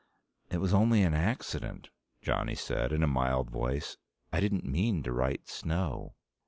"It was only an accident," Johnny said in a mild voice. "I didn't mean to write snow."